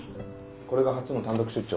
これが初の単独出張？